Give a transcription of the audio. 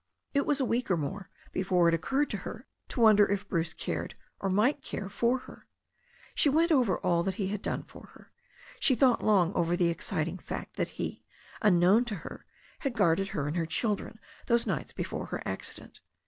It was a week or more before it occurred to her to won der if Bruce cared, or might care for her. She went over all that he had done for her. She thought long over the exciting fact that he, unknown to her, had guarded her and her children those nights before her accident.